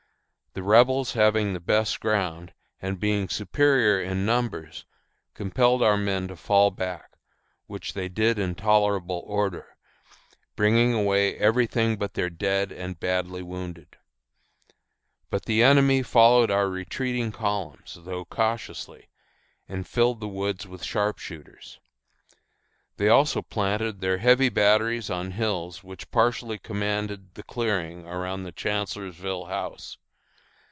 The Rebels having the best ground, and being superior in numbers, compelled our men to fall back, which they did in tolerable order, bringing away every thing but their dead and badly wounded. But the enemy followed our retreating column, though cautiously, and filled the woods with sharpshooters. They also planted their heavy batteries on hills which partially commanded the clearing around the Chancellorsville House.